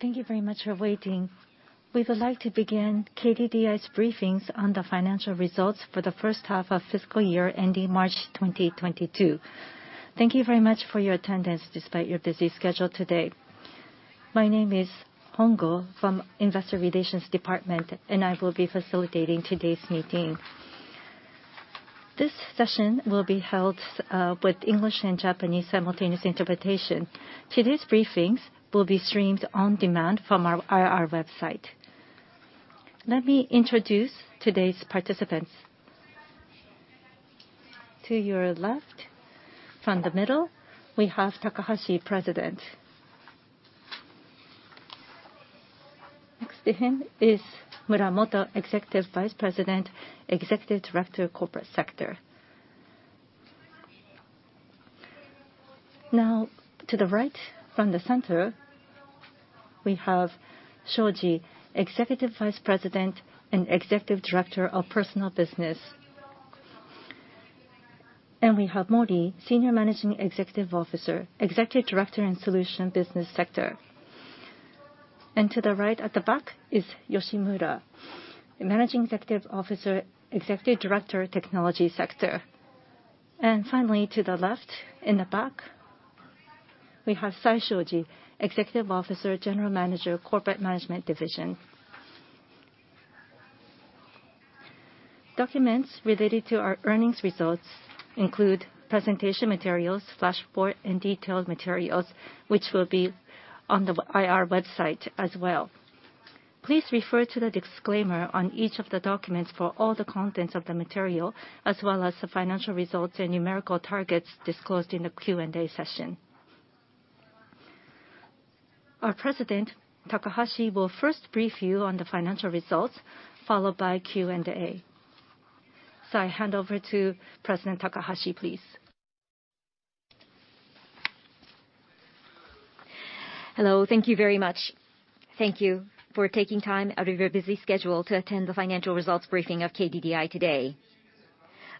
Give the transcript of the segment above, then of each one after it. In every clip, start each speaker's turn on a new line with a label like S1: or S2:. S1: Thank you very much for waiting. We would like to begin KDDI's briefings on the financial results for the first half of fiscal year ending March 2022. Thank you very much for your attendance despite your busy schedule today. My name is Hongo from Investor Relations Department, and I will be facilitating today's meeting. This session will be held with English and Japanese simultaneous interpretation. Today's briefings will be streamed on demand from our IR website. Let me introduce today's participants. To your left, from the middle, we have Takahashi, President. Next to him is Muramoto, Executive Vice President, Executive Director, Corporate Sector. Now, to the right, from the center, we have Shoji, Executive Vice President and Executive Director of Personal Business. We have Mori, Senior Managing Executive Officer, Executive Director in Solution Business Sector. To the right, at the back, is Yoshimura, Managing Executive Officer, Executive Director, Technology Sector. Finally, to the left, in the back, we have Nanae Saishoji, Executive Officer, General Manager, Corporate Management Division. Documents related to our earnings results include presentation materials, flash report, and detailed materials, which will be on the IR website as well. Please refer to the disclaimer on each of the documents for all the contents of the material, as well as the financial results and numerical targets disclosed in the Q&A session. Our president, Takahashi, will first brief you on the financial results, followed by Q&A. I hand over to President Takahashi, please.
S2: Hello. Thank you very much. Thank you for taking time out of your busy schedule to attend the financial results briefing of KDDI today.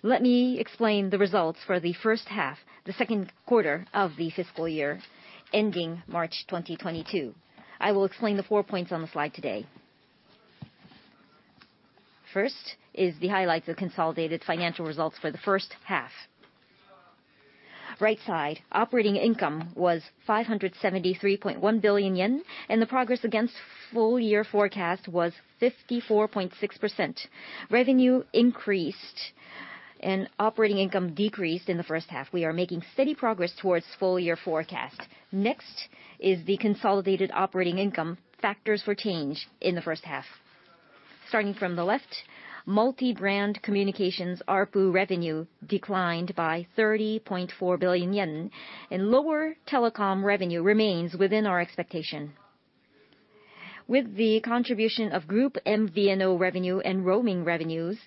S2: Let me explain the results for the first half, the second quarter of the fiscal year ending March 2022. I will explain the four points on the slide today. First is the highlights of consolidated financial results for the first half. Right side, operating income was 573.1 billion yen, and the progress against full year forecast was 54.6%. Revenue increased and operating income decreased in the first half. We are making steady progress towards full year forecast. Next is the consolidated operating income factors for change in the first half. Starting from the left, multi-brand communications ARPU revenue declined by 30.4 billion yen, and lower telecom revenue remains within our expectation. With the contribution of group MVNO revenue and roaming revenues,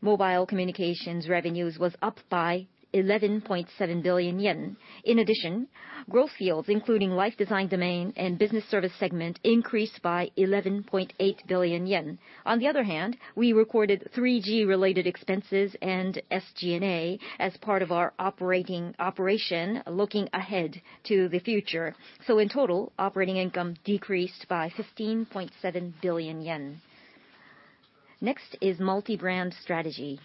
S2: mobile communications revenues was up by 11.7 billion yen. In addition, growth fields, including Life Design Domain and Business Services segment, increased by 11.8 billion yen. On the other hand, we recorded 3G-related expenses and SG&A as part of our operating operation, looking ahead to the future. In total, operating income decreased by 15.7 billion yen. Next is multi-brand strategy.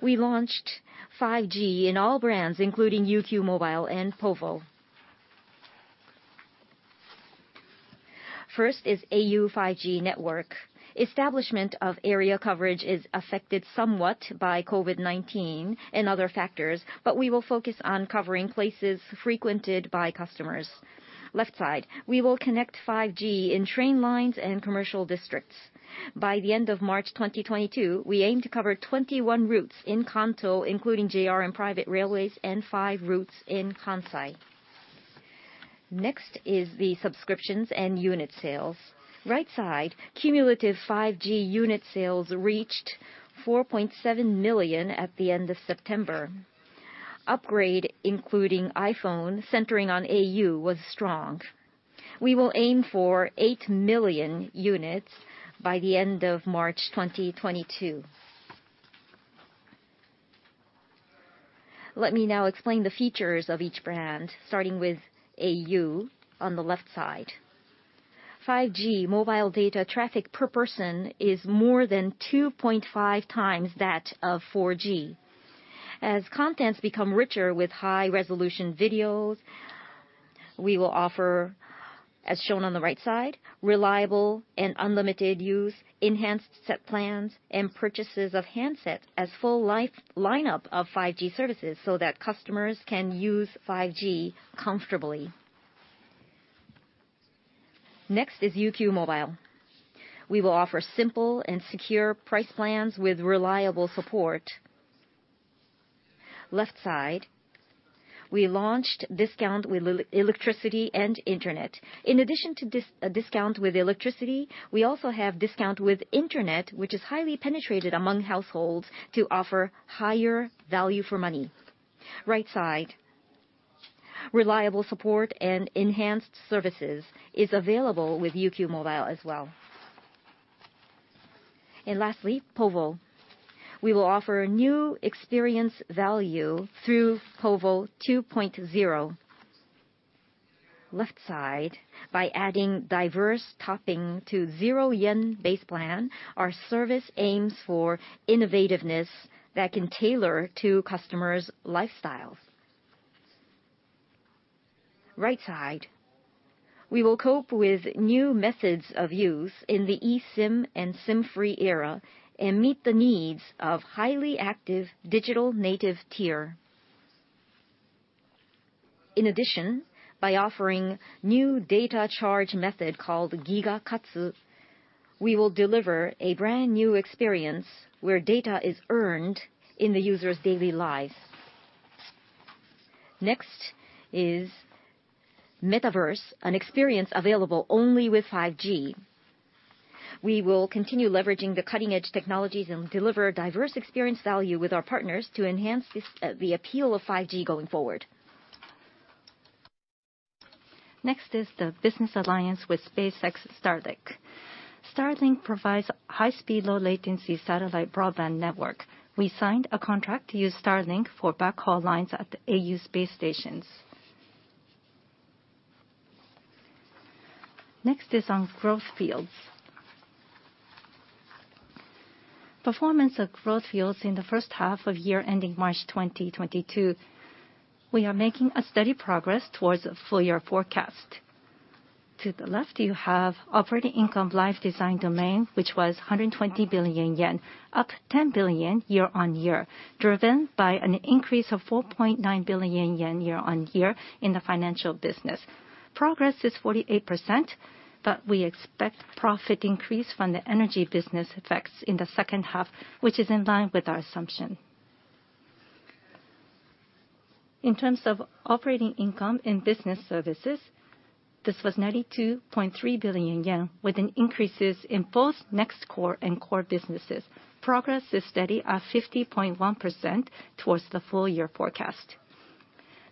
S2: We launched 5G in all brands, including UQ Mobile and povo. First is au 5G network. Establishment of area coverage is affected somewhat by COVID-19 and other factors, but we will focus on covering places frequented by customers. Left side, we will connect 5G in train lines and commercial districts. By the end of March 2022, we aim to cover 21 routes in Kanto, including JR and private railways, and five routes in Kansai. Next is the subscriptions and unit sales. Right side, cumulative 5G unit sales reached 4.7 million at the end of September. Upgrade, including iPhone, centering on au, was strong. We will aim for 8 million units by the end of March 2022. Let me now explain the features of each brand, starting with au on the left side. 5G mobile data traffic per person is more than 2.5x that of 4G. As contents become richer with high-resolution videos, we will offer, as shown on the right side, reliable and unlimited use, enhanced set plans, and purchases of handsets as full lineup of 5G services so that customers can use 5G comfortably. Next is UQ Mobile. We will offer SIMple and secure price plans with reliable support. Left side, we launched discount with electricity and internet. In addition to discount with electricity, we also have discount with internet, which is highly penetrated among households to offer higher value for money. Right side, reliable support and enhanced services is available with UQ Mobile as well. Lastly, povo. We will offer new experience value through povo 2.0. Left side, by adding diverse topping to zero yen base plan, our service aims for innovativeness that can tailor to customers' lifestyles. Right side, we will cope with new methods of use in the eSIM and SIM-free era and meet the needs of highly active digital native tier. In addition, by offering new data charge method called Giga Katsu, we will deliver a brand new experience where data is earned in the user's daily life. Next is Metaverse, an experience available only with 5G. We will continue leveraging the cutting-edge technologies and deliver diverse experience value with our partners to enhance this, the appeal of 5G going forward. Next is the business alliance with SpaceX Starlink. Starlink provides high speed, low latency satellite broadband network. We signed a contract to use Starlink for backhaul lines at the au base stations. Next, on growth fields. Performance of growth fields in the first half of the year ending March 2022. We are making steady progress towards a full year forecast. To the left, you have operating income, Life Design Domain, which was 120 billion yen, up 10 billion year-on-year, driven by an increase of 4.9 billion yen year-on-year in the financial business. Progress is 48%, but we expect profit increase from the energy business effects in the second half, which is in line with our assumption. In terms of operating income in Business Services, this was 92.3 billion yen, with increases in both NEXT Core and core businesses. Progress is steady at 50.1% towards the full year forecast.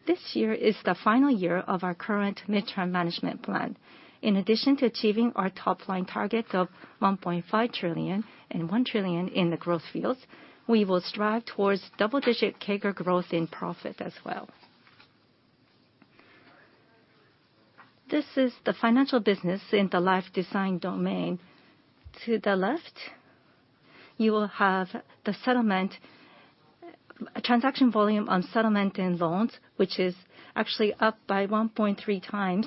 S2: This year is the final year of our current midterm management plan. In addition to achieving our top line target of 1.5 trillion and 1 trillion in the growth fields, we will strive towards double-digit CAGR growth in profit as well. This is the financial business in the Life Design Domain. To the left, you will have the settlement transaction volume on settlement and loans, which is actually up by 1.3x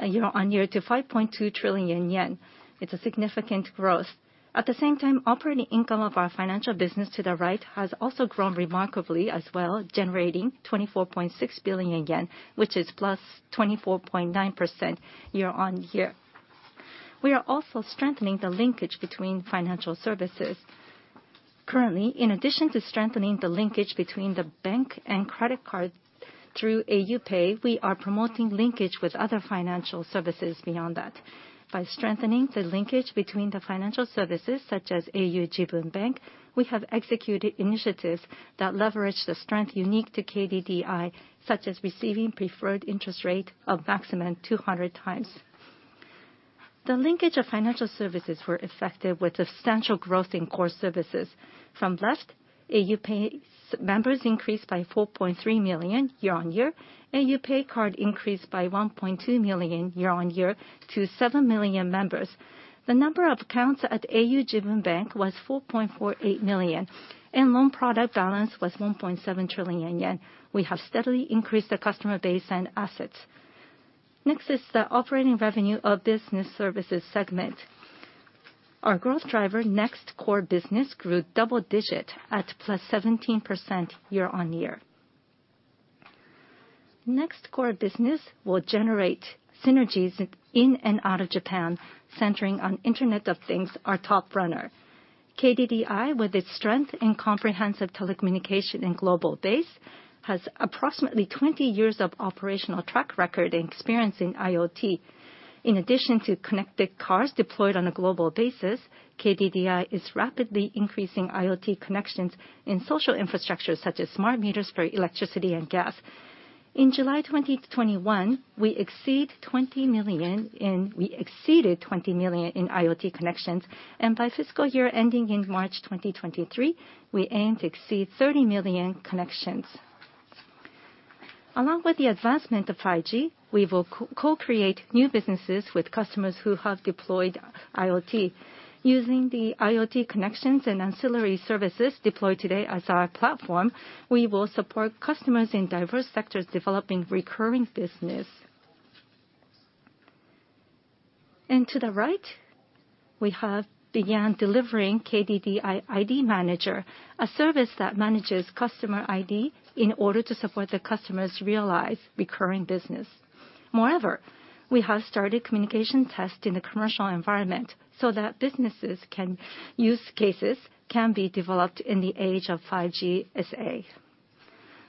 S2: year-on-year to 5.2 trillion yen. It's a significant growth. At the same time, operating income of our financial business to the right has also grown remarkably as well, generating 24.6 billion yen, which is +24.9% year-on-year. We are also strengthening the linkage between financial services. Currently, in addition to strengthening the linkage between the bank and credit card through AU PAY, we are promoting linkage with other financial services beyond that. By strengthening the linkage between the financial services such as au Jibun Bank, we have executed initiatives that leverage the strength unique to KDDI, such as receiving preferred interest rate of maximum 200x. The linkage of financial services were effective with substantial growth in core services. From left, AU PAY members increased by 4.3 million year-on-year, AU PAY card increased by 1.2 million year-on-year to 7 million members. The number of accounts at au Jibun Bank was 4.48 million, and loan product balance was 1.7 trillion yen. We have steadily increased the customer base and assets. Next is the operating revenue of Business Services segment. Our growth driver, NEXT Core business, grew double-digit at +17% year-on-year. NEXT Core business will generate synergies in and out of Japan, centering on Internet of Things, our top runner. KDDI, with its strength in comprehensive telecommunication and global base, has approximately 20 years of operational track record and experience in IoT. In addition to connected cars deployed on a global basis, KDDI is rapidly increasing IoT connections in social infrastructure, such as smart meters for electricity and gas. In July 2021, we exceeded 20 million in IoT connections. By fiscal year ending in March 2023, we aim to exceed 30 million connections. Along with the advancement of 5G, we will co-create new businesses with customers who have deployed IoT. Using the IoT connections and ancillary services deployed today as our platform, we will support customers in diverse sectors developing recurring business. To the right, we have began delivering KDDI ID Manager, a service that manages customer ID in order to support the customers realize recurring business. Moreover, we have started communication test in a commercial environment so that use cases can be developed in the age of 5G SA.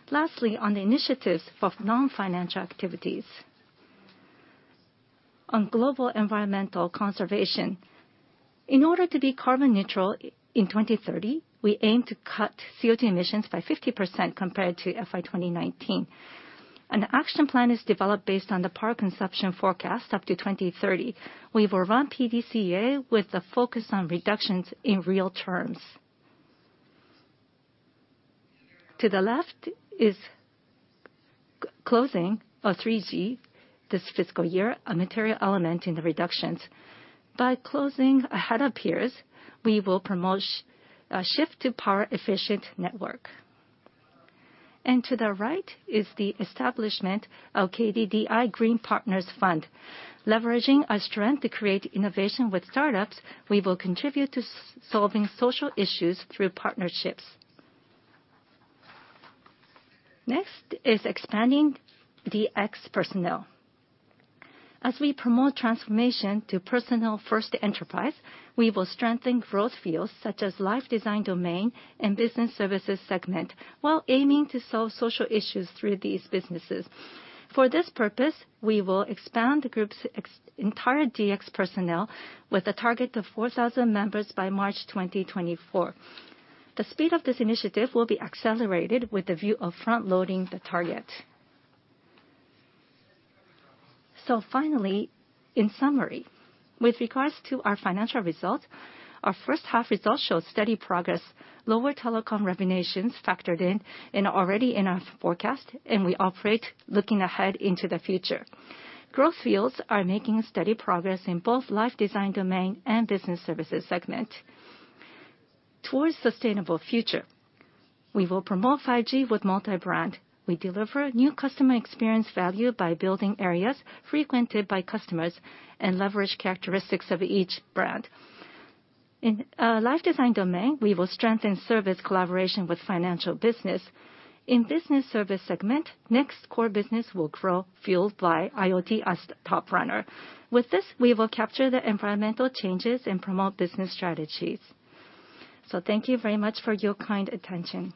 S2: Lastly, on the initiatives of non-financial activities. On global environmental conservation, in order to be carbon neutral in 2030, we aim to cut CO2 emissions by 50% compared to FY 2019. An action plan is developed based on the power consumption forecast up to 2030. We will run PDCA with a focus on reductions in real terms. To the left is closing 3G this fiscal year, a material element in the reductions. By closing ahead of peers, we will promote a shift to power efficient network. To the right is the establishment of KDDI Green Partners Fund. Leveraging our strength to create innovation with startups, we will contribute to solving social issues through partnerships. Next is expanding the expert personnel. As we promote transformation to personnel first enterprise, we will strengthen growth fields such as Life Design Domain and Business Services segment, while aiming to solve social issues through these businesses. For this purpose, we will expand the group's expert DX personnel with a target of 4,000 members by March 2024. The speed of this initiative will be accelerated with the view of front-loading the target. Finally, in summary, with regards to our financial results, our first half results show steady progress. Lower telecom revenues factored in and already in our forecast, and we operate looking ahead into the future. Growth fields are making steady progress in both Life Design Domain and Business Services segment. Towards sustainable future, we will promote 5G with multi-brand. We deliver new customer experience value by building areas frequented by customers and leverage characteristics of each brand. In Life Design Domain, we will strengthen service collaboration with financial business. In Business Services segment, NEXT Core business will grow fueled by IoT as the top runner. With this, we will capture the environmental changes and promote business strategies. Thank you very much for your kind attention.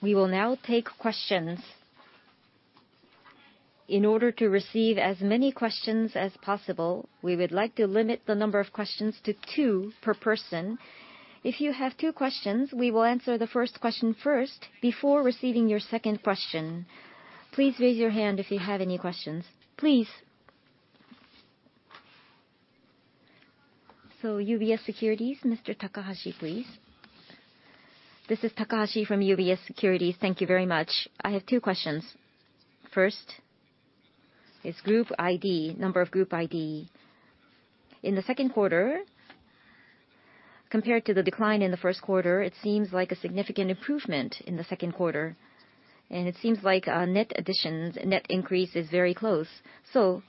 S1: We will now take questions. In order to receive as many questions as possible, we would like to limit the number of questions to two per person. If you have two questions, we will answer the first question first before receiving your second question. Please raise your hand if you have any questions. Please.
S2: So UBS Securities, Mr. Takahashi, please.
S3: This is Takahashi from UBS Securities. Thank you very much. I have two questions. First is group ID, number of group ID. In the second quarter, compared to the decline in the first quarter, it seems like a significant improvement in the second quarter, and it seems like net additions, net increase is very close. The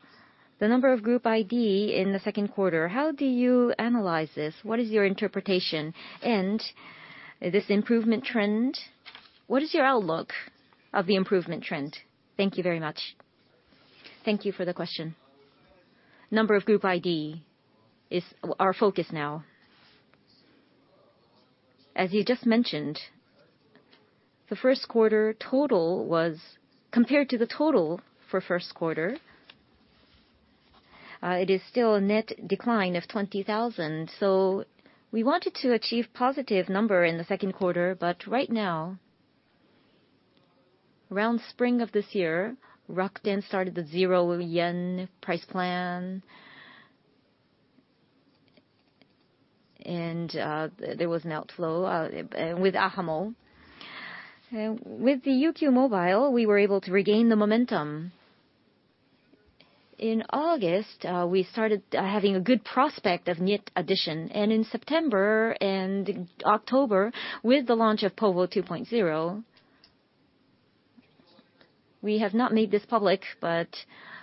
S3: number of group ID in the second quarter, how do you analyze this? What is your interpretation? And this improvement trend, what is your outlook of the improvement trend? Thank you very much.
S2: Thank you for the question. The number of group ID is our focus now. As you just mentioned, the first quarter total was compared to the total for first quarter, it is still a net decline of 20,000. We wanted to achieve positive number in the second quarter. Right now, around spring of this year, Rakuten started the zero yen price plan. There was an outflow, and with ahamo. With the UQ Mobile, we were able to regain the momentum. In August, we started having a good prospect of net addition. In September and October, with the launch of povo two point zero, we have not made this public, but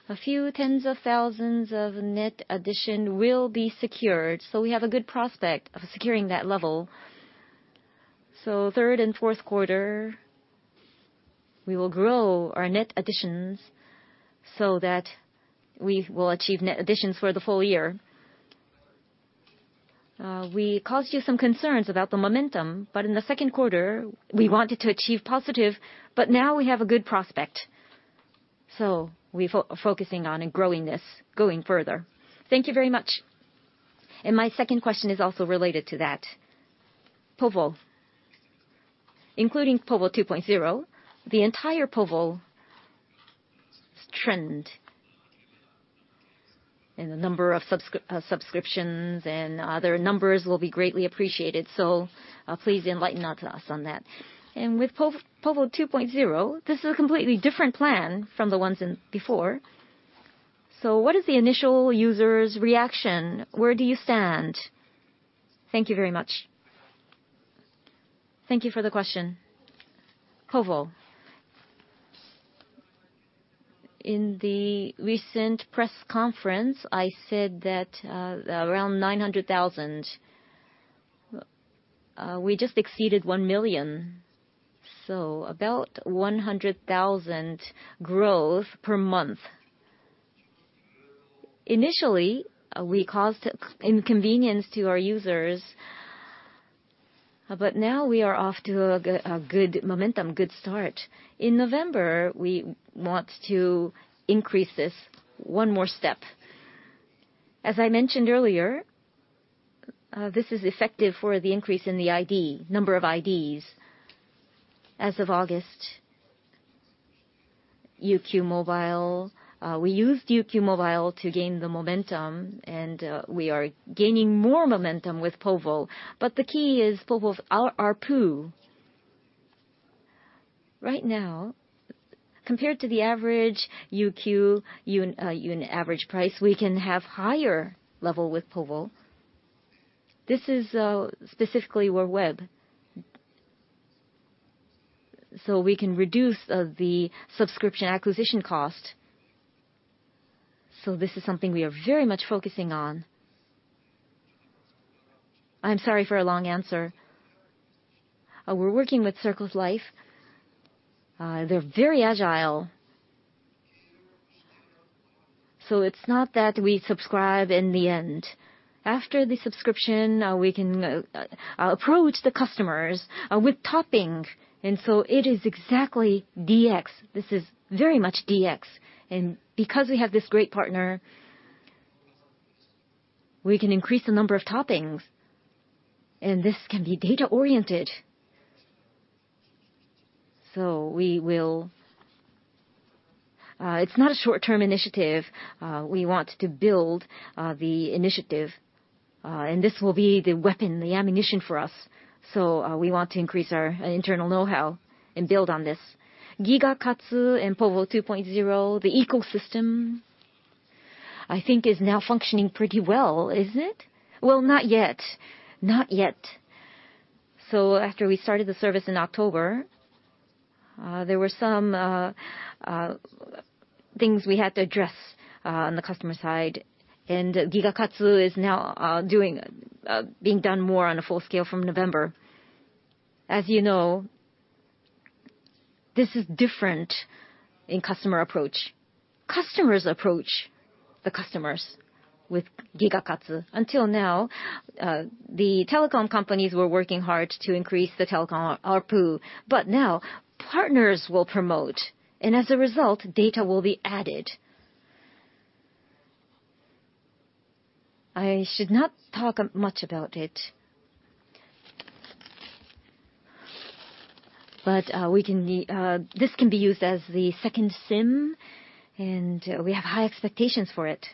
S2: a few tens of thousands of net addition will be secured. We have a good prospect of securing that level. Third and fourth quarter, we will grow our net additions so that we will achieve net additions for the full year. We caused you some concerns about the momentum, but in the second quarter, we wanted to achieve positive, but now we have a good prospect. We focusing on and growing this, going further.
S3: Thank you very much. My second question is also related to that. povo. Including povo two point zero, the entire povo's trend and the number of subscriptions and other numbers will be greatly appreciated. Please enlighten us on that. With povo two point zero, this is a completely different plan from the ones in before. What is the initial user's reaction? Where do you stand? Thank you very much.
S2: Thank you for the question, povo, in the recent press conference, I said that, around 900,000. We just exceeded 1 million, so about 100,000 growth per month. Initially, we caused inconvenience to our users, but now we are off to a good momentum, good start. In November, we want to increase this one more step. As I mentioned earlier, this is effective for the increase in the ID, number of IDs. As of August, UQ Mobile, we used UQ Mobile to gain the momentum, and, we are gaining more momentum with povo. But the key is povo's ARPU. Right now, compared to the average UQ unit average price, we can have higher level with povo. This is specifically whereby. So we can reduce the subscription acquisition cost. This is something we are very much focusing on. I'm sorry for a long answer. We're working with Circles.Life. They're very agile. It's not that we subscribe in the end. After the subscription, we can approach the customers with topping. It is exactly DX. This is very much DX. Because we have this great partner, we can increase the number of toppings, and this can be data-oriented. We will. It's not a short-term initiative. We want to build the initiative. This will be the weapon, the ammunition for us. We want to increase our internal know-how and build on this. Giga Katsu and povo 2.0, the ecosystem, I think, is now functioning pretty well, isn't it? Well, not yet. Not yet. After we started the service in October, there were some things we had to address on the customer side. Giga Katsu is now being done more on a full scale from November. As you know, this is different in customer approach. Customers approach the customers with Giga Katsu. Until now, the telecom companies were working hard to increase the telecom ARPU. Now, partners will promote. And as a result, data will be added. I should not talk too much about it. This can be used as the second SIM, and we have high expectations for it.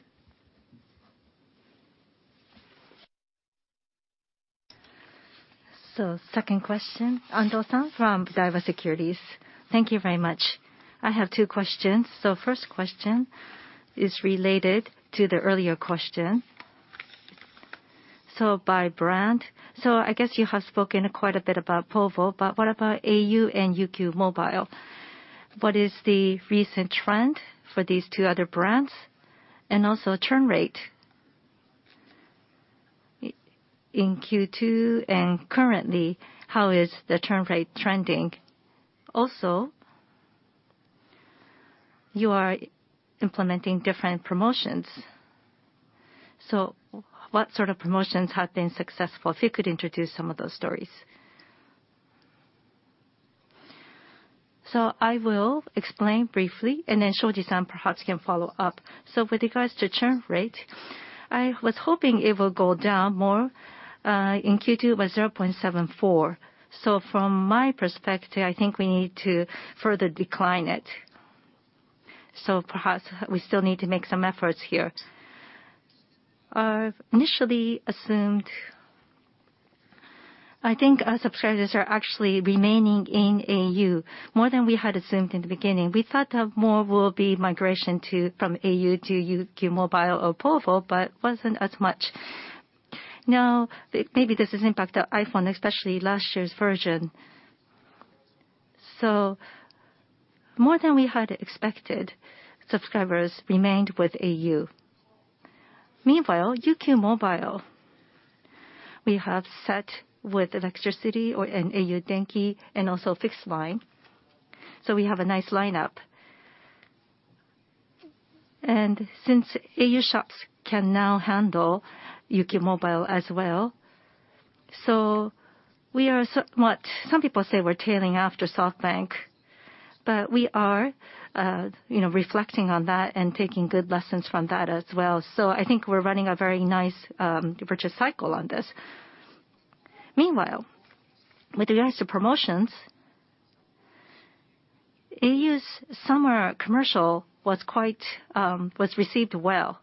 S1: Second question, Ando-san from Daiwa Securities.
S4: Thank you very much. I have two questions. First question is related to the earlier question. By brand. I guess you have spoken quite a bit about povo, but what about au and UQ Mobile? What is the recent trend for these two other brands and also churn rate. In Q2 and currently, how is the churn rate trending? Also, you are implementing different promotions. What sort of promotions have been successful? If you could introduce some of those stories.
S2: I will explain briefly, and then Shoji-san perhaps can follow up. With regards to churn rate, I was hoping it will go down more in Q2 by 0.74%. From my perspective, I think we need to further decline it. Perhaps we still need to make some efforts here. I've initially assumed, I think our subscribers are actually remaining in au more than we had assumed in the beginning. We thought that more will be migration from au to UQ Mobile or povo, but wasn't as much. Now, maybe this has impact on iPhone, especially last year's version. More than we had expected, subscribers remained with au. Meanwhile, UQ Mobile, we have set with electricity and au Denki and also fixed line. We have a nice lineup. Since au shops can now handle UQ Mobile as well, some people say we're trailing after SoftBank. We are, you know, reflecting on that and taking good lessons from that as well. I think we're running a very nice virtuous cycle on this. Meanwhile, with regards to promotions, au's summer commercial was quite well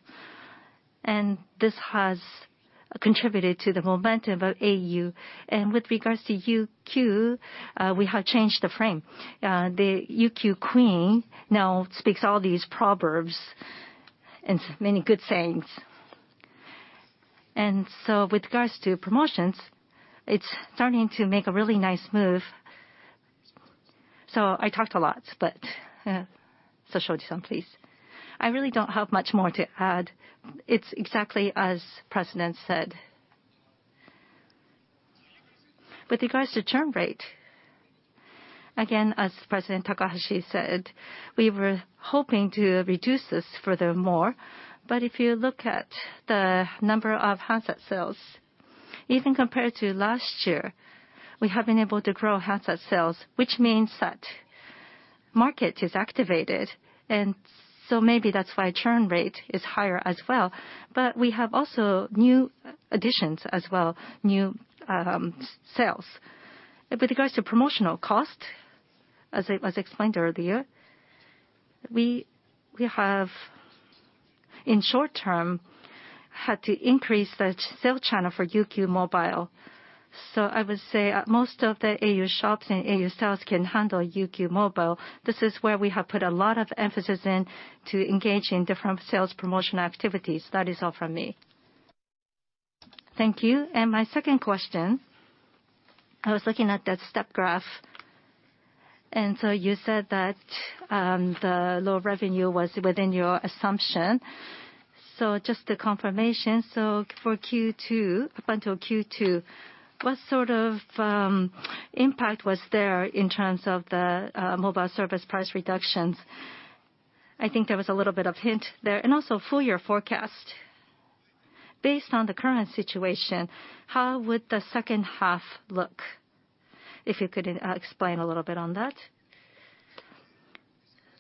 S2: received. This has contributed to the momentum of au. With regards to UQ, we have changed the frame. The UQ Kante now speaks all these proverbs and many good sayings. With regards to promotions, it's starting to make a really nice move. I talked a lot, but Shoji-san, please. I really don't have much more to add.
S5: It's exactly as President said. With regards to churn rate, again, as President Takahashi said, we were hoping to reduce this furthermore. If you look at the number of handset sales. Even compared to last year, we have been able to grow handset sales, which means that market is activated. Maybe that's why churn rate is higher as well. We have also new additions as well, new sales. With regards to promotional cost, as I explained earlier, we have, in short term, had to increase the sale channel for UQ Mobile. I would say most of the au shops and au stores can handle UQ Mobile. This is where we have put a lot of emphasis into engage in different sales promotion activities. That is all from me.
S4: Thank you. My second question, I was looking at that step graph, and you said that the lower revenue was within your assumption. Just a confirmation. For Q2, up until Q2, what sort of impact was there in terms of the mobile service price reductions? I think there was a little bit of hint there. Also full year forecast. Based on the current situation, how would the second half look, if you could explain a little bit on that?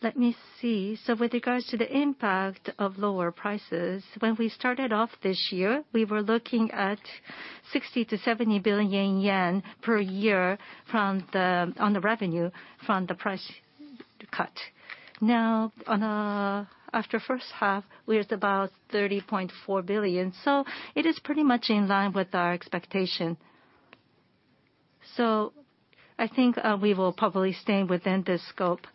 S2: Let me see. With regards to the impact of lower prices, when we started off this year, we were looking at 60 billion-70 billion yen per year from the revenue from the price cut. Now, after first half, we are at about 30.4 billion. It is pretty much in line with our expectation. I think we will probably stay within this scope.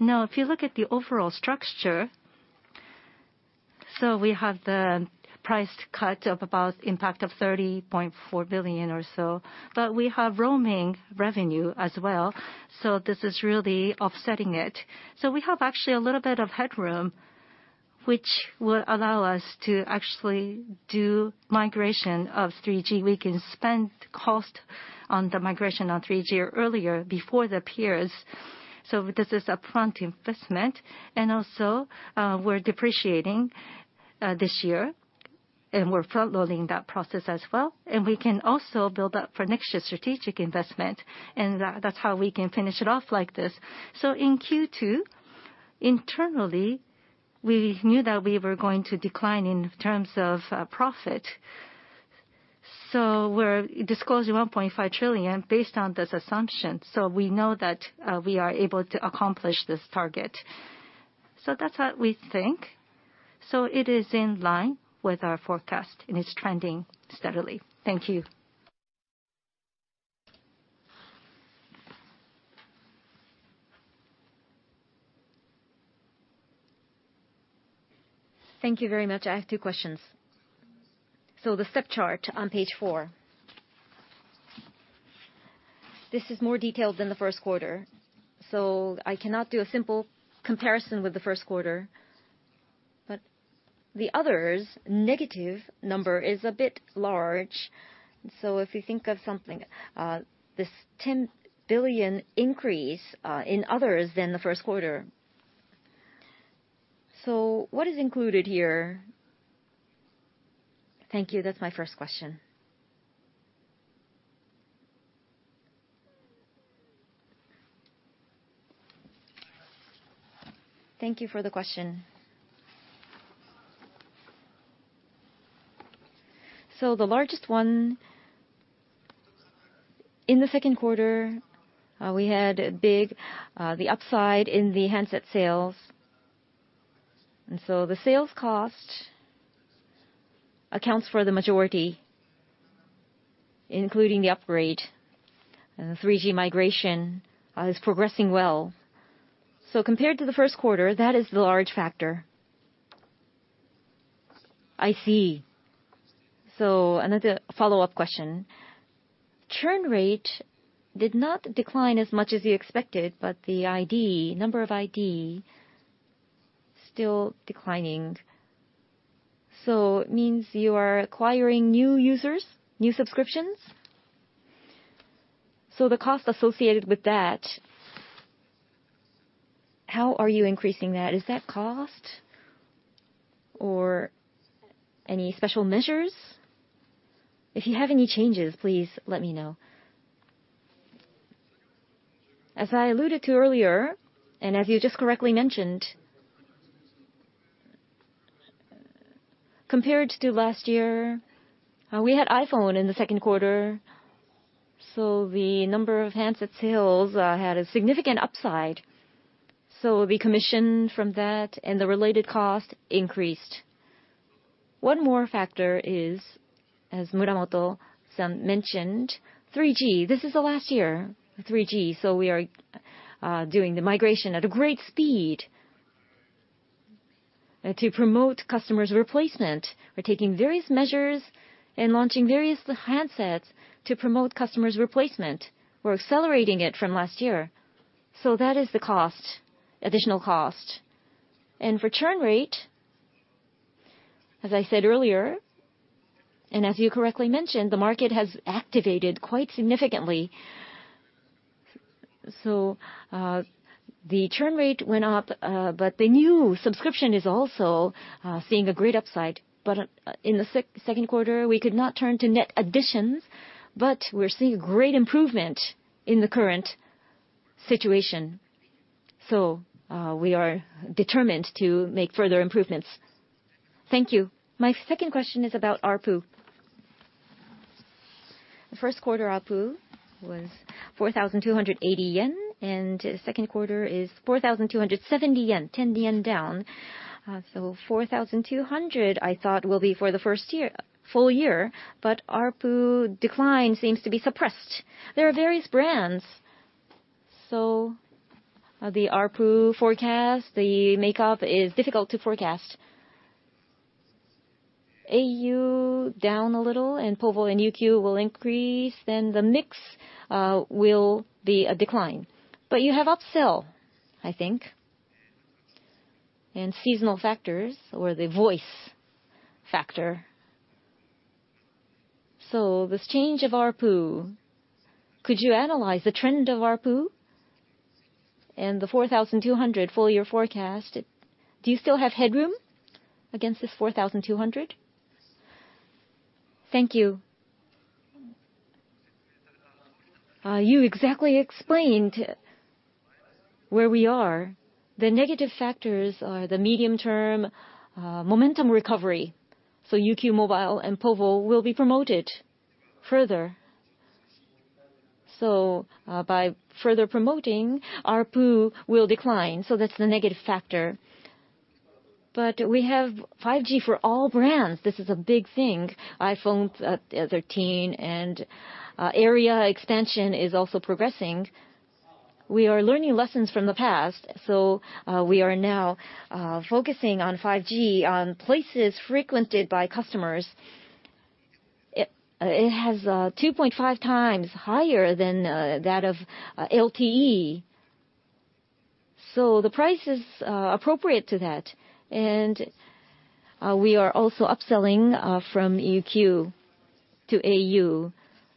S2: Now, if you look at the overall structure, we have the price cut impact of about 30.4 billion or so, but we have roaming revenue as well. This is really offsetting it. We have actually a little bit of headroom which will allow us to actually do migration of 3G. We can spend cost on the migration on 3G earlier before the peers. This is upfront investment, and also, we're depreciating this year, and we're front-loading that process as well. We can also build up for next year's strategic investment, and that's how we can finish it off like this. In Q2, internally, we knew that we were going to decline in terms of profit. We're disclosing 1.5 trillion based on this assumption, so we know that we are able to accomplish this target. That's what we think. It is in line with our forecast, and it's trending steadily. Thank you.
S6: Thank you very much. I have two questions. The step chart on page four. This is more detailed than the first quarter, so I cannot do a simple comparison with the first quarter. The other negative number is a bit large. If you think of something, this 10 billion increase in others than the first quarter. What is included here? Thank you. That's my first question.
S2: Thank you for the question. The largest one, in the second quarter, we had a big upside in the handset sales. The sales cost accounts for the majority, including the upgrade. The 3G migration is progressing well. Compared to the first quarter, that is the large factor.
S6: I see. Another follow-up question. Churn rate did not decline as much as you expected, but the ID, number of ID still declining. It means you are acquiring new users, new subscriptions. The cost associated with that, how are you increasing that? Is that cost or any special measures? If you have any changes, please let me know.
S2: As I alluded to earlier, and as you just correctly mentioned, compared to last year, we had iPhone in the second quarter, so the number of handset sales had a significant upside. The commission from that and the related cost increased. One more factor is, as Muramoto-san mentioned, 3G. This is the last year, 3G. We are doing the migration at a great speed to promote customers replacement. We're taking various measures and launching various handsets to promote customers replacement. We're accelerating it from last year. That is the cost, additional cost. For churn rate, as I said earlier, and as you correctly mentioned, the market has activated quite significantly. The churn rate went up, but the new subscription is also seeing a great upside. In the second quarter, we could not turn to net additions, but we're seeing great improvement in the current situation. We are determined to make further improvements.
S6: Thank you. My second question is about ARPU. The first quarter ARPU was 4,280 yen, and second quarter is 4,270 yen, 10 yen down. 4,200 I thought will be for the first year, full year, but ARPU decline seems to be suppressed. There are various brands, the ARPU forecast, the makeup is difficult to forecast. AU down a little, and povo and UQ will increase, then the mix will be a decline. You have upsell, I think, and seasonal factors or the voice factor. This change of ARPU, could you analyze the trend of ARPU and the 4,200 full-year forecast, do you still have headroom against this 4,200? Thank you.
S2: You exactly explained where we are. The negative factors are the medium-term momentum recovery. UQ Mobile and povo will be promoted further. By further promoting, ARPU will decline, so that's the negative factor. We have 5G for all brands. This is a big thing. iPhone 13 and area expansion is also progressing. We are learning lessons from the past, so we are now focusing on 5G on places frequented by customers. It has 2.5x higher than that of LTE. The price is appropriate to that. We are also upselling from UQ to au.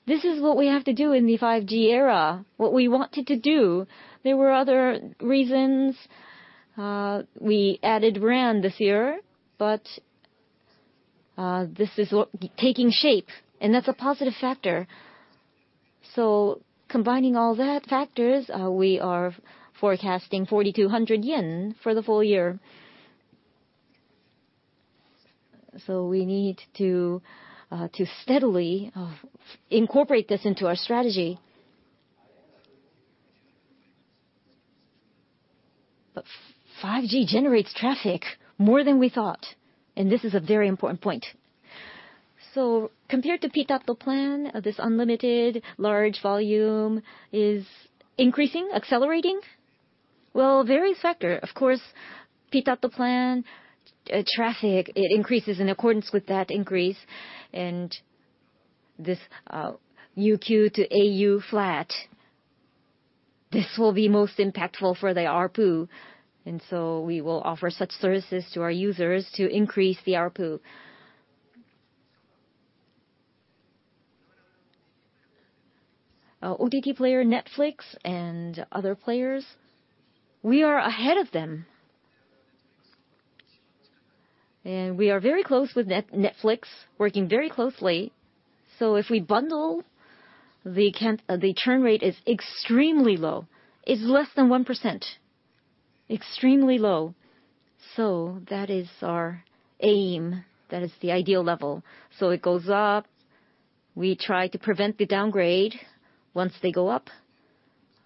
S2: This is what we have to do in the 5G era, what we wanted to do. There were other reasons. We added rand this year, this is taking shape, and that's a positive factor. Combining all that factors, we are forecasting 4,200 yen for the full year. We need to steadily incorporate this into our strategy. 5G generates traffic more than we thought, and this is a very important point. Compared to Pitat Plan, this unlimited large volume is increasing, accelerating? Well, various factor. Of course, Pitat Plan traffic, it increases in accordance with that increase. This UQ to au flat, this will be most impactful for the ARPU. We will offer such services to our users to increase the ARPU. OTT player, Netflix, and other players, we are ahead of them. We are very close with Netflix, working very closely. If we bundle, the churn rate is extremely low. It's less than 1%, extremely low. That is our aim. That is the ideal level. It goes up. We try to prevent the downgrade once they go up.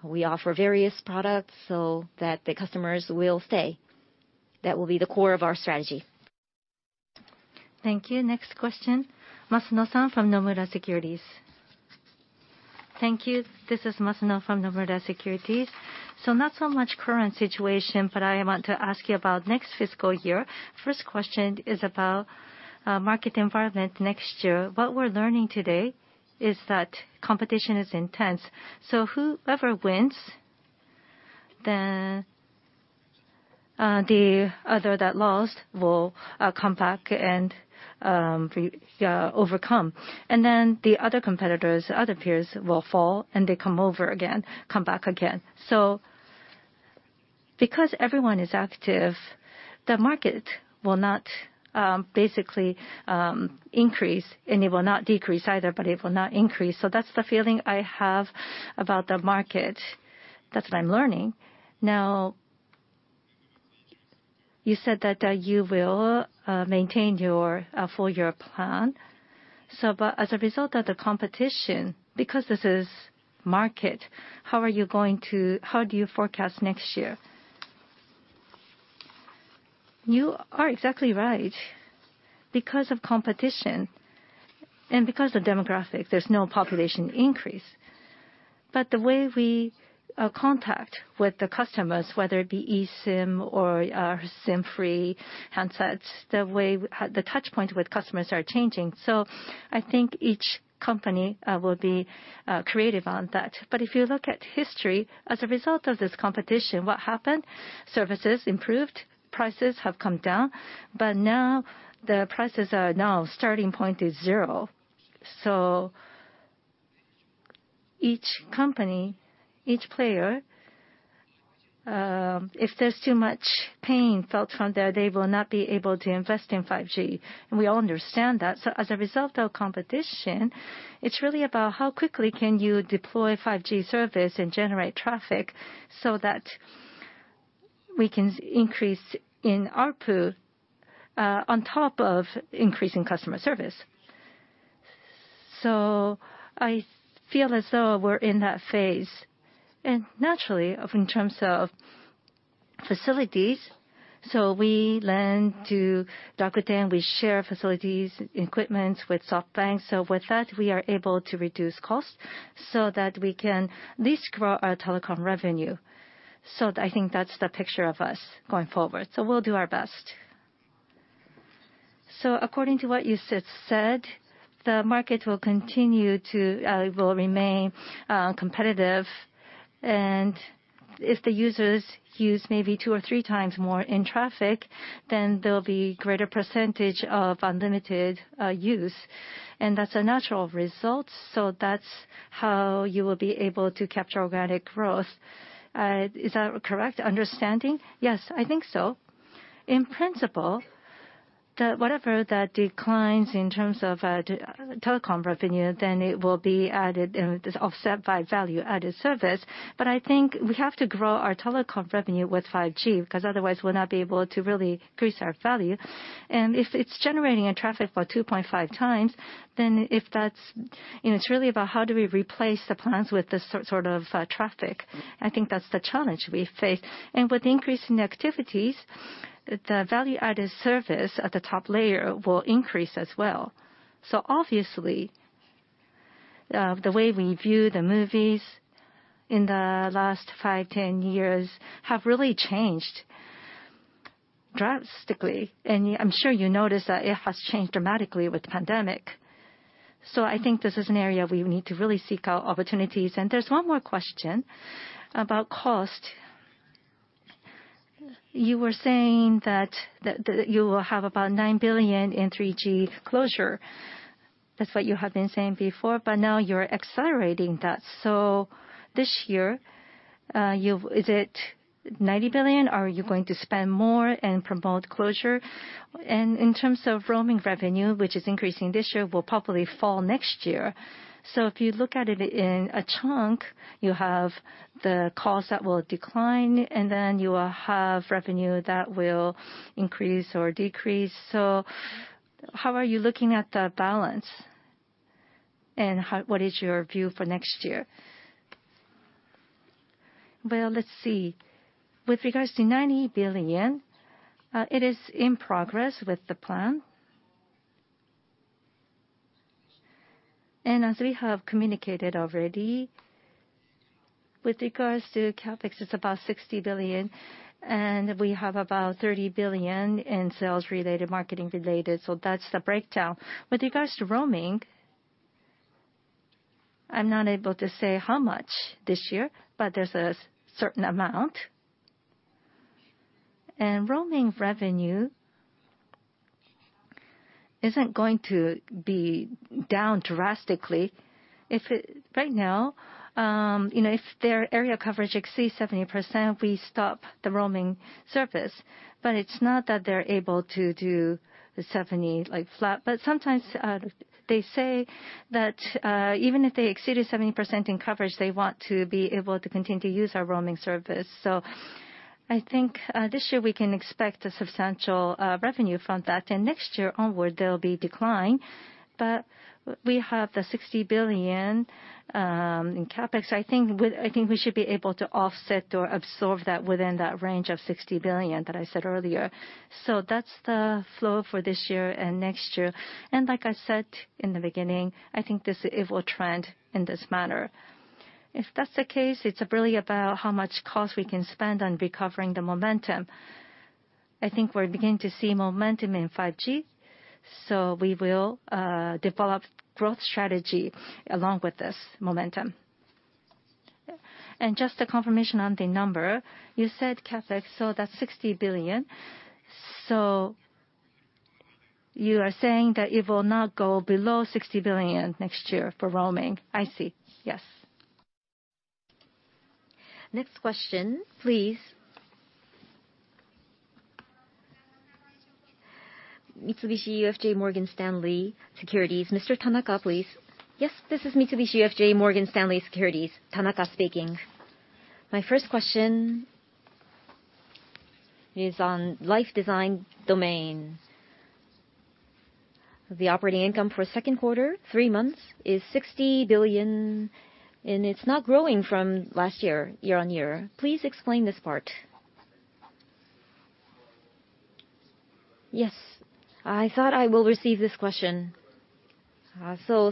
S2: We offer various products so that the customers will stay. That will be the core of our strategy.
S1: Thank you. Next question, Masuno-san from Nomura Securities.
S7: Thank you. This is Masuno from Nomura Securities. Not so much current situation, but I want to ask you about next fiscal year. First question is about market environment next year. What we're learning today is that competition is intense. Whoever wins, the other that lost will come back and overcome. Then the other competitors, other peers will fall, and they come over again, come back again. Because everyone is active, the market will not basically increase, and it will not decrease either, but it will not increase. That's the feeling I have about the market. That's what I'm learning. Now, you said that you will maintain your full year plan. As a result of the competition, because this is market, how do you forecast next year?
S2: You are exactly right. Because of competition and because of demographic, there's no population increase. The way we contact with the customers, whether it be eSIM or SIM-free handsets, the way the touchpoint with customers are changing. I think each company will be creative on that. If you look at history, as a result of this competition, what happened? Services improved, prices have come down, but now the prices are now starting point is zero. Each company, each player, if there's too much pain felt from that, they will not be able to invest in 5G, and we all understand that. As a result of competition, it's really about how quickly can you deploy 5G service and generate traffic so that we can increase in ARPU on top of increasing customer service. I feel as though we're in that phase. Naturally, in terms of facilities, we lend to Docomo, we share facilities, equipments with SoftBank. With that, we are able to reduce costs so that we can at least grow our telecom revenue. I think that's the picture of us going forward. We'll do our best.
S7: According to what you said, the market will remain competitive. If the users use maybe two or three times more in traffic, then there'll be greater percentage of unlimited use, and that's a natural result. That's how you will be able to capture organic growth. Is that correct understanding?
S2: Yes, I think so. In principle, whatever that declines in terms of telecom revenue, then it will be offset by value-added service. I think we have to grow our telecom revenue with 5G, 'cause otherwise we'll not be able to really increase our value. If it's generating a traffic by 2.5x, then if that's you know, it's really about how do we replace the plans with this sort of traffic. I think that's the challenge we face. With increase in activities, the value-added service at the top layer will increase as well. Obviously, the way we view the movies in the last five, 10 years have really changed drastically. I'm sure you noticed that it has changed dramatically with the pandemic. I think this is an area we need to really seek out opportunities.
S7: There's one more question about cost. You were saying that you will have about 9 billion in 3G closure. That's what you have been saying before, but now you're accelerating that. This year, is it 90 billion, or are you going to spend more and promote closure? In terms of roaming revenue, which is increasing this year, will probably fall next year. If you look at it in a chunk, you have the costs that will decline, and then you will have revenue that will increase or decrease. How are you looking at the balance, and what is your view for next year?
S2: Well, let's see. With regards to 90 billion, it is in progress with the plan. As we have communicated already, with regards to CapEx, it's about 60 billion, and we have about 30 billion in sales related, marketing related. So that's the breakdown. With regards to roaming, I'm not able to say how much this year, but there's a certain amount. Roaming revenue isn't going to be down drastically. Right now, you know, if their area coverage exceeds 70%, we stop the roaming service. But it's not that they're able to do the 70, like, flat. But sometimes, they say that, even if they exceeded 70% in coverage, they want to be able to continue to use our roaming service. I think this year we can expect a substantial revenue from that. Next year onward, there'll be decline. We have the 60 billion in CapEx. I think we should be able to offset or absorb that within that range of 60 billion that I said earlier. That's the flow for this year and next year. Like I said in the beginning, I think this it will trend in this manner. If that's the case, it's really about how much cost we can spend on recovering the momentum. I think we're beginning to see momentum in 5G, so we will develop growth strategy along with this momentum.
S7: Just a confirmation on the number. You said CapEx, so that's 60 billion. You are saying that it will not go below 60 billion next year for roaming?
S2: I see. Yes. Next question, please.
S1: Mitsubishi UFJ Morgan Stanley Securities. Mr. Tanaka, please.
S8: Yes, this is Mitsubishi UFJ Morgan Stanley Securities, Tanaka speaking. My first question is on Life Design Domain. The operating income for second quarter, three months, is 60 billion, and it's not growing from last year year-on-year. Please explain this part.
S2: Yes. I thought I will receive this question.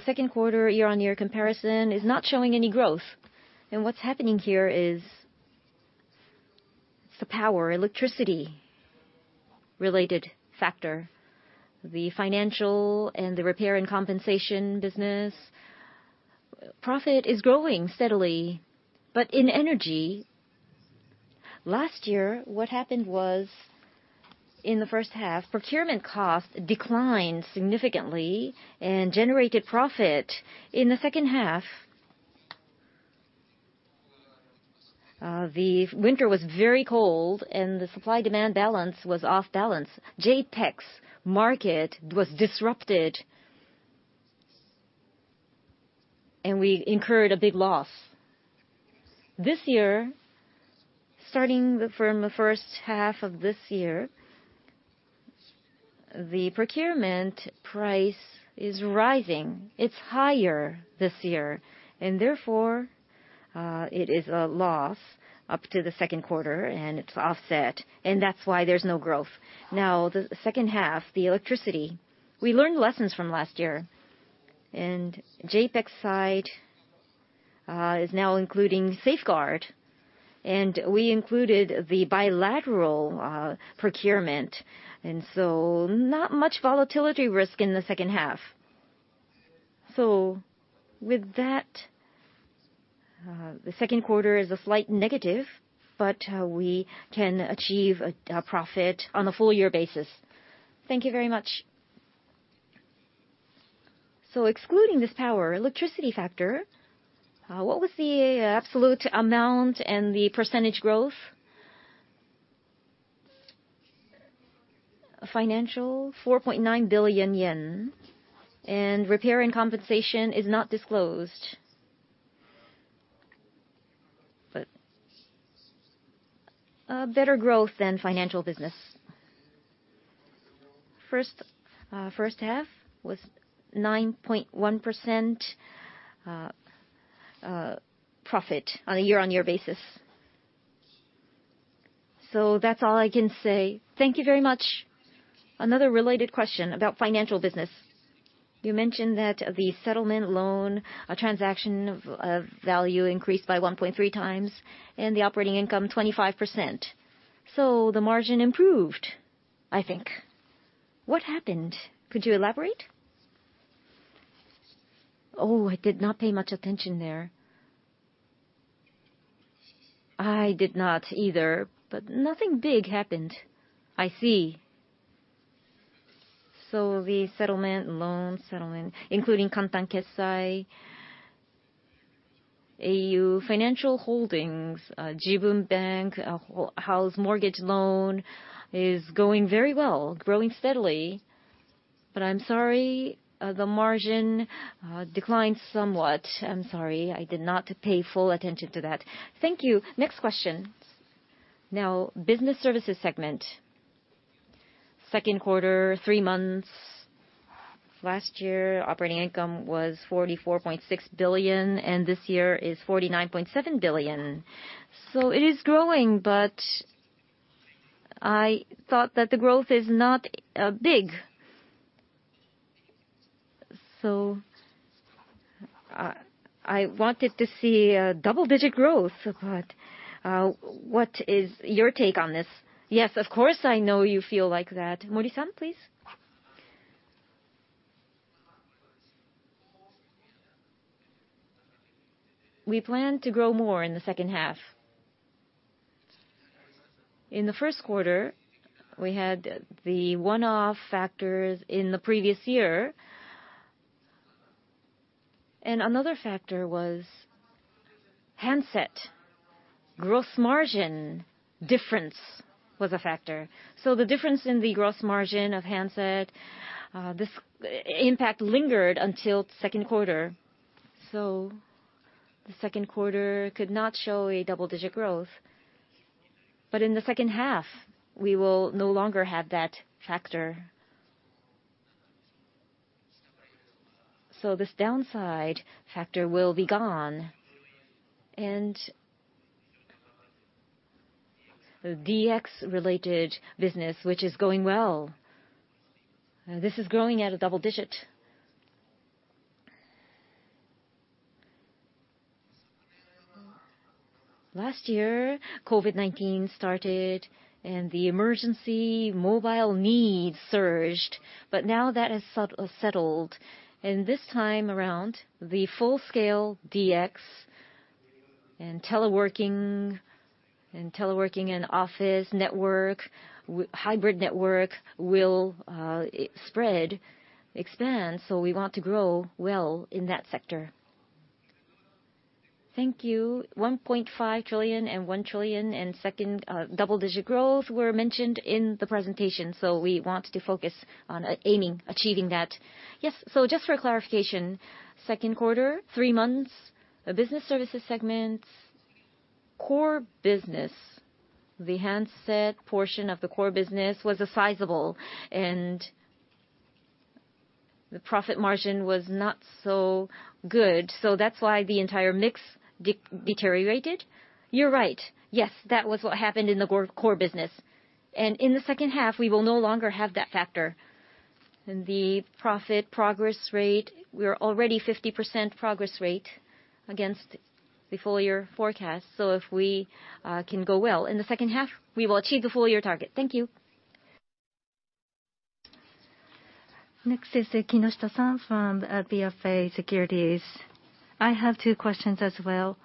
S2: Second quarter year-over-year comparison is not showing any growth. What's happening here is the power, electricity related factor. The financial and the repair and compensation business profit is growing steadily. In energy, last year, what happened was, in the first half, procurement costs declined significantly and generated profit. In the second half, the winter was very cold and the supply-demand balance was out of balance. JEPX market was disrupted and we incurred a big loss. This year, from the first half of this year, the procurement price is rising. It's higher this year, and therefore, it is a loss up to the second quarter, and it's offset, and that's why there's no growth. Now, the second half, the electricity, we learned lessons from last year, and JEPX's side is now including safeguard, and we included the bilateral procurement, and so not much volatility risk in the second half. With that, the second quarter is a slight negative, but we can achieve a profit on a full-year basis.
S8: Thank you very much.
S2: Excluding this power, electricity factor, what was the absolute amount and the percentage growth? Financial, 4.9 billion yen, and repair and compensation is not disclosed. A better growth than financial business. First half was 9.1% profit on a year-on-year basis. That's all I can say. Thank you very much.
S8: Another related question about financial business. You mentioned that the settlement loan transaction of value increased by 1.3x and the operating income 25%. The margin improved, I think. What happened? Could you elaborate? Oh, I did not pay much attention there.
S2: I did not either, but nothing big happened. I see. The settlement loan, settlement, including au Kantan Kessai, au Financial Holdings, Jibun Bank, home mortgage loan is going very well, growing steadily, but I'm sorry, the margin declined somewhat. I'm sorry, I did not pay full attention to that. Thank you. Next question.
S8: Now, Business Services segment. Second quarter, three months. Last year, operating income was 44.6 billion, and this year is 49.7 billion. It is growing, but I thought that the growth is not big. I wanted to see a double-digit growth, but what is your take on this?
S2: Yes, of course, I know you feel like that. Mori-san, please.
S9: We plan to grow more in the second half. In the first quarter, we had the one-off factors in the previous year. Another factor was handset gross margin difference was a factor. The difference in the gross margin of handset, this impact lingered until second quarter. The second quarter could not show a double-digit growth. In the second half, we will no longer have that factor. This downside factor will be gone. The DX-related business, which is going well, this is growing at a double digit. Last year, COVID-19 started and the emergency mobile needs surged, but now that has settled. This time around, the full-scale DX and teleworking and office network, hybrid network will spread, expand, so we want to grow well in that sector. Thank you. 1.5 trillion and 1 trillion and second, double-digit growth were mentioned in the presentation, so we want to focus on aiming, achieving that.
S8: Yes. Just for clarification, second quarter, three months, the Business Services segment, core business, the handset portion of the core business was sizable and the profit margin was not so good, so that's why the entire mix deteriorated?
S9: You're right. Yes. That was what happened in the core business. In the second half, we will no longer have that factor. The profit progress rate, we are already 50% progress rate against the full-year forecast. If we can go well in the second half, we will achieve the full-year target. Thank you.
S1: Next is Kinoshita-san from BofA Securities.
S10: I have two questions as well.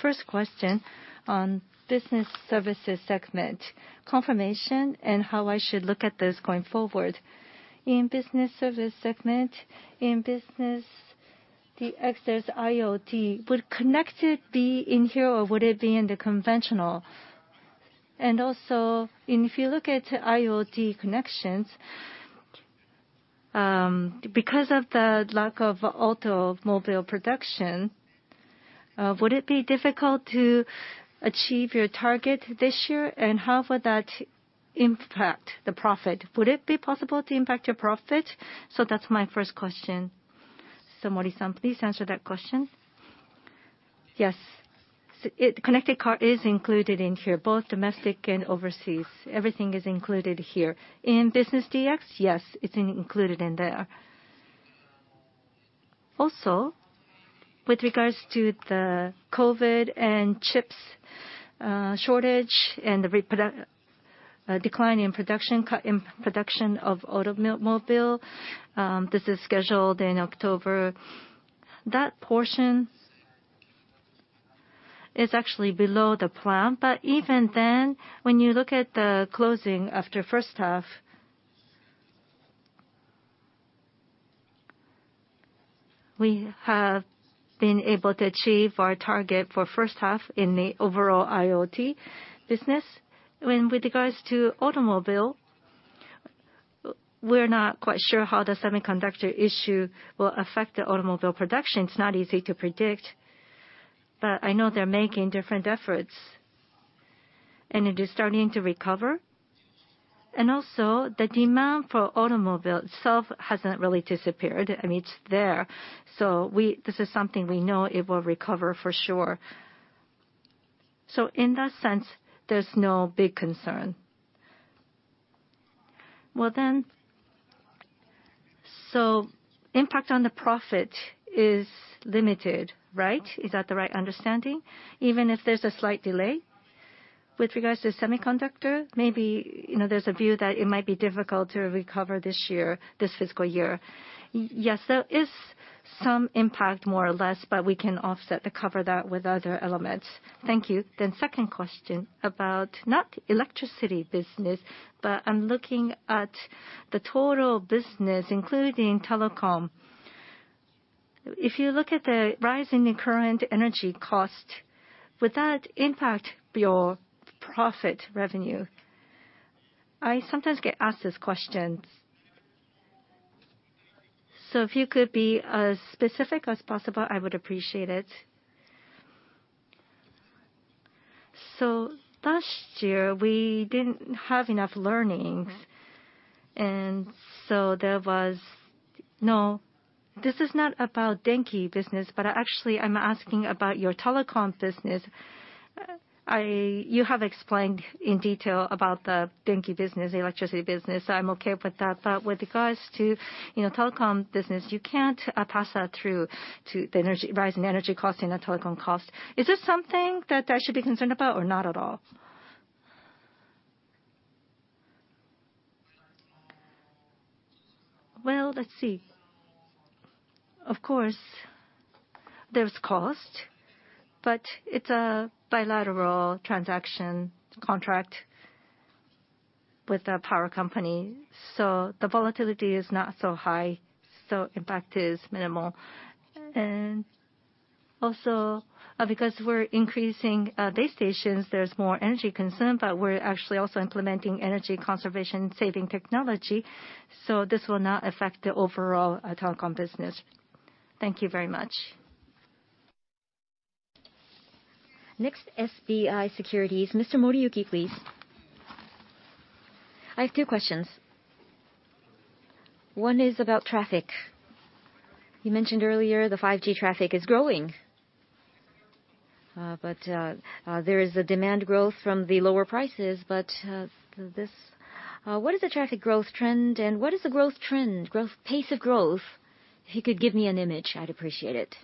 S10: First question on Business Services segment, confirmation and how I should look at this going forward. In Business Services segment, in Business DX, there's IoT. Would connected be in here or would it be in the conventional? Also, if you look at IoT connections, because of the lack of automobile production, would it be difficult to achieve your target this year? And how would that impact the profit? Would it be possible to impact your profit? That's my first question.
S2: Mori-san, please answer that question.
S9: Yes. Connected car is included in here, both domestic and overseas. Everything is included here. In Business DX, yes, it's included in there. With regards to the COVID and chips shortage and the decline in production, cut in production of automobile, this is scheduled in October. That portion is actually below the plan. Even then, when you look at the closing after first half, we have been able to achieve our target for first half in the overall IoT business. When with regards to automobile, we're not quite sure how the semiconductor issue will affect the automobile production. It's not easy to predict, but I know they're making different efforts, and it is starting to recover. Also, the demand for automobile itself hasn't really disappeared. I mean, it's there. We, this is something we know it will recover for sure.
S10: In that sense, there's no big concern. Well then, impact on the profit is limited, right? Is that the right understanding? Even if there's a slight delay with regards to semiconductor, maybe, you know, there's a view that it might be difficult to recover this year, this fiscal year.
S9: Yes, there is some impact more or less, but we can offset to cover that with other elements. Thank you.
S10: Second question about not electricity business, but I'm looking at the total business, including telecom. If you look at the rise in the current energy cost, would that impact your profit revenue?
S9: I sometimes get asked these questions.
S10: If you could be as specific as possible, I would appreciate it. Last year, we didn't have enough learnings. No, this is not about Denki business, but actually I'm asking about your telecom business. You have explained in detail about the Denki business, the electricity business. I'm okay with that. With regards to, you know, telecom business, you can't pass that through to the energy, rise in energy cost, you know, telecom cost. Is this something that I should be concerned about or not at all?
S2: Well, let's see. Of course there's cost, but it's a bilateral transaction contract with a power company, so the volatility is not so high, so impact is minimal. And also, because we're increasing base stations, there's more energy concern, but we're actually also implementing energy conservation saving technology. This will not affect the overall telecom business.
S10: Thank you very much.
S1: Next, SBI Securities. Mr. Moriyuki, please.
S11: I have two questions. One is about traffic. You mentioned earlier the 5G traffic is growing. There is a demand growth from the lower prices, but what is the traffic growth trend, and what is the growth trend, pace of growth? If you could give me an image, I'd appreciate it.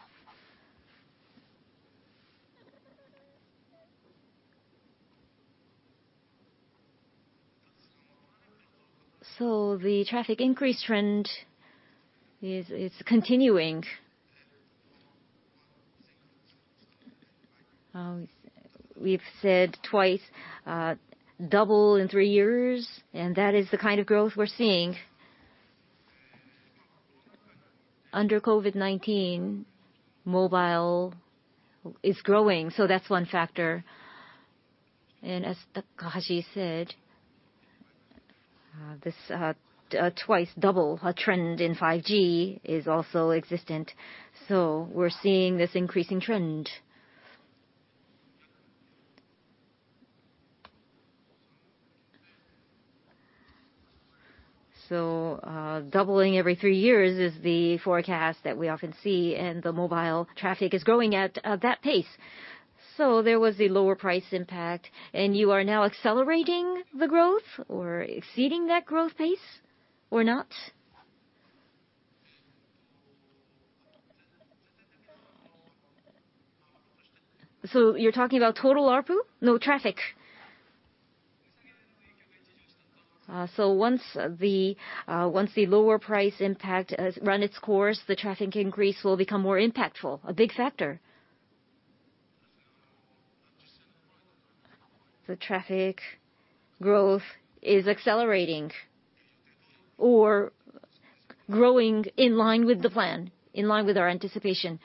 S9: The traffic increase trend is continuing. We've said twice double in three years, and that is the kind of growth we're seeing. Under COVID-19, mobile is growing, so that's one factor. As Takahashi said, this twice double trend in 5G is also existent, so we're seeing this increasing trend.
S11: Doubling every three years is the forecast that we often see, and the mobile traffic is growing at that pace. There was a lower price impact, and you are now accelerating the growth or exceeding that growth pace or not?
S2: You're talking about total ARPU? No, traffic. Once the lower price impact has run its course, the traffic increase will become more impactful, a big factor. The traffic growth is accelerating or growing in line with the plan, in line with our anticipation.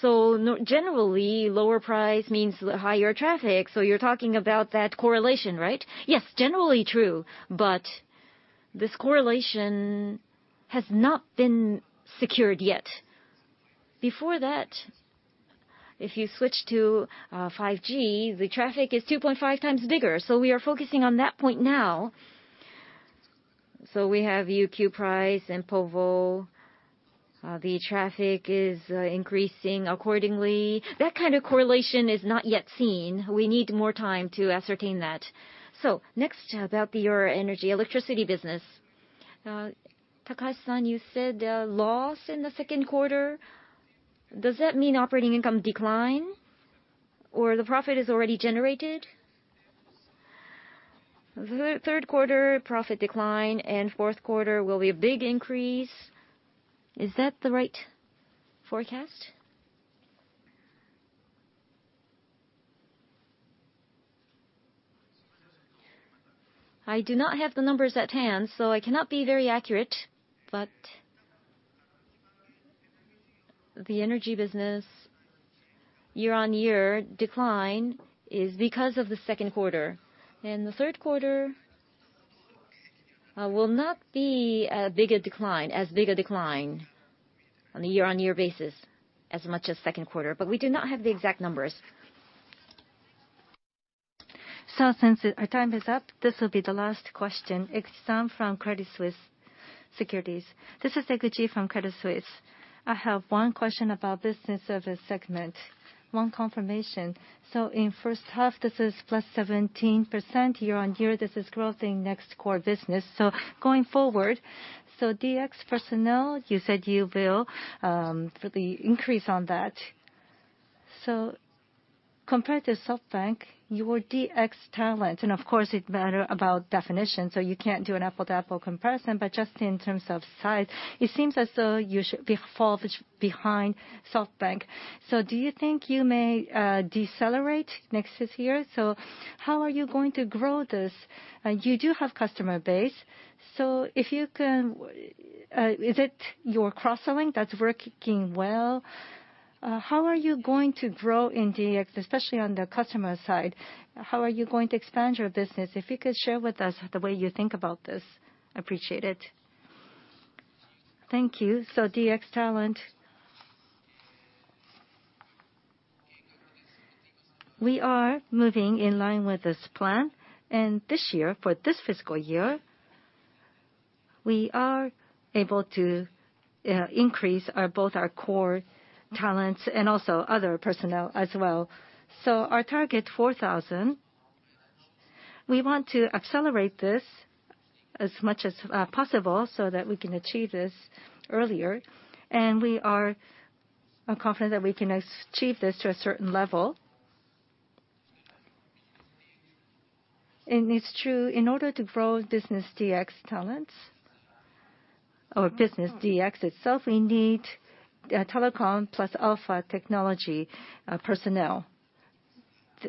S2: Generally, lower price means higher traffic, so you're talking about that correlation, right? Yes, generally true, but this correlation has not been secured yet. Before that, if you switch to 5G, the traffic is 2.5x bigger, so we are focusing on that point now. We have UQ price and povo. The traffic is increasing accordingly. That kind of correlation is not yet seen. We need more time to ascertain that.
S11: Next, about your energy, electricity business. Takai-san, you said a loss in the second quarter. Does that mean operating income decline, or the profit is already generated? The third quarter profit decline and fourth quarter will be a big increase. Is that the right forecast?
S2: I do not have the numbers at hand, so I cannot be very accurate. The energy business year-on-year decline is because of the second quarter. The third quarter will not be a bigger decline, as big a decline on a year-on-year basis as much as second quarter. We do not have the exact numbers.
S1: Since our time is up, this will be the last question. It's someone from Credit Suisse Securities.
S12: This is Seki from Credit Suisse. I have one question about Business Services segment, one confirmation. In first half, this is plus 17% year-on-year. This is growth in NEXT Core business. Going forward, DX personnel, you said you will for the increase on that. Compared to SoftBank, your DX talent, and of course it matters about definition, you can't do an apple-to-apple comparison. Just in terms of size, it seems as though you fall behind SoftBank. Do you think you may decelerate next year? How are you going to grow this? You do have customer base. If you can, is it your cross-selling that's working well? How are you going to grow in DX, especially on the customer side? How are you going to expand your business? If you could share with us the way you think about this, I appreciate it.
S2: Thank you. DX talent. We are moving in line with this plan. This year, for this fiscal year, we are able to increase our both our core talents and also other personnel as well. Our target, 4,000, we want to accelerate this as much as possible so that we can achieve this earlier. We are confident that we can achieve this to a certain level. It's true, in order to grow Business DX talents or Business DX itself, we need telecom plus alpha technology personnel.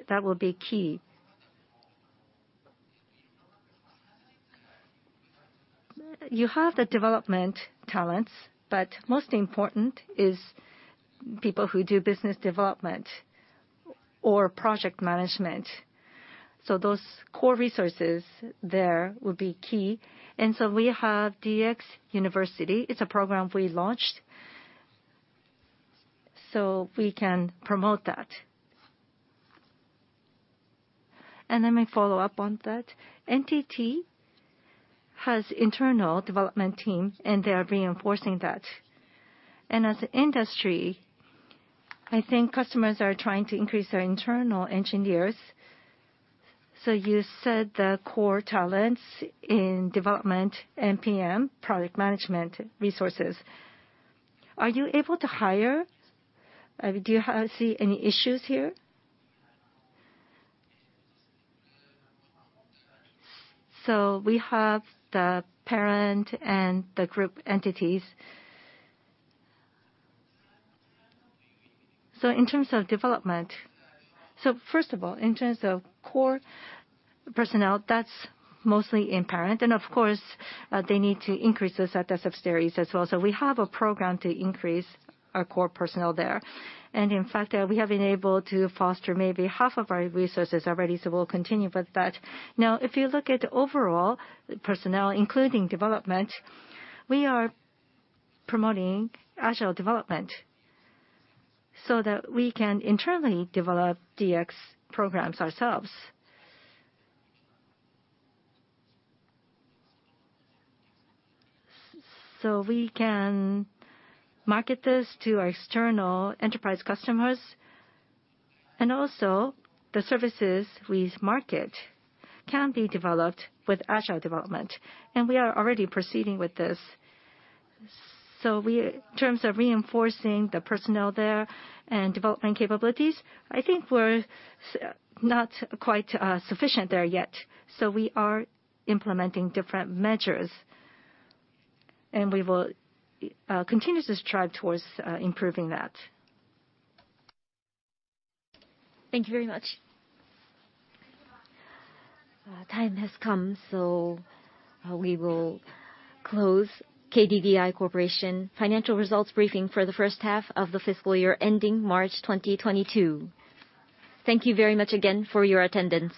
S2: That will be key. You have the development talents, but most important is people who do business development or project management. Those core resources there will be key. We have DX University. It's a program we launched, so we can promote that. Let me follow up on that. NTT has internal development team, and they are reinforcing that.
S12: As an industry, I think customers are trying to increase their internal engineers. You said the core talents in development and PM, product management resources. Are you able to hire? Do you see any issues here?
S2: We have the parent and the group entities. In terms of development, first of all, in terms of core personnel, that's mostly in parent. Of course, they need to increase the set of subsidiaries as well. We have a program to increase our core personnel there. In fact, we have been able to foster maybe half of our resources already, so we'll continue with that. Now, if you look at overall personnel, including development, we are promoting agile development so that we can internally develop DX programs ourselves. We can market this to our external enterprise customers, and also the services we market can be developed with agile development, and we are already proceeding with this. We, in terms of reinforcing the personnel there and development capabilities, I think we're not quite sufficient there yet. We are implementing different measures, and we will continue to strive towards improving that.
S12: Thank you very much.
S1: Time has come, so we will close KDDI Corporation financial results briefing for the first half of the fiscal year ending March 2022. Thank you very much again for your attendance.